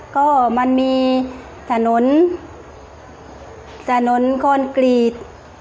ก็มันมีถนนถนนคอนกรีต